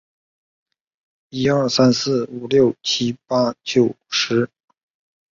忽必烈的所做所为无疑引起了阿里不哥子孙和漠北守旧的蒙古贵族的仇恨。